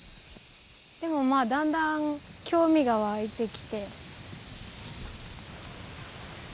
でもまあだんだん興味が湧いてきて。